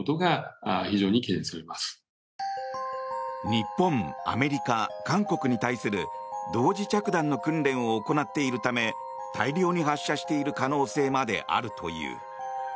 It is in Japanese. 日本、アメリカ、韓国に対する同時着弾の訓練を行っているため大量に発射している可能性まであるという。